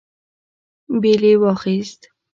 بېل يې واخيست.